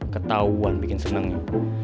ketahuan bikin senengnya